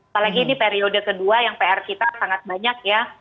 apalagi ini periode kedua yang pr kita sangat banyak ya